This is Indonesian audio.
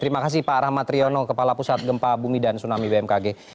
terima kasih pak rahmat riono kepala pusat gempa bumi dan tsunami bmkg